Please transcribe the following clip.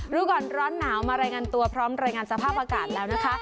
รู้ก่อนร้อนหนาวมารายงานตัวพร้อมรายงานสภาพอากาศแล้วนะคะ